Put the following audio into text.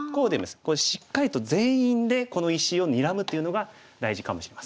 しっかりと全員でこの石をにらむというのが大事かもしれません。